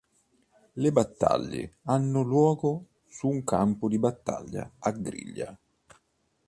Le battaglie hanno luogo su un campo di battaglia a griglia.